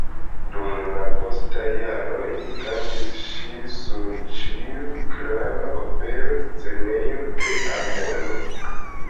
Dum la postaj jaroj kantis ŝi sur ĉiu grava opera scenejo de al mondo.